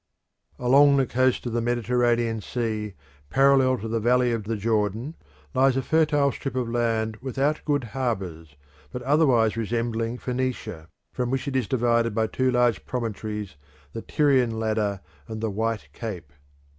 Along the coast of the Mediterranean Sea, parallel to the valley of the Jordan, lies a fertile strip of land without good harbours, but otherwise resembling Phoenicia, from which it is divided by two large promontories, the Tyrian Ladder and the White Cape.